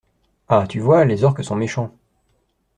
Ha tu vois, les orques sont méchants.